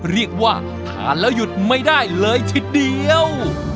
เรียกว่าทานแล้วหยุดไม่ได้เลยทีเดียว